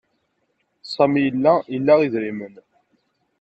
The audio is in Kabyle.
Sami yella ila idrimen.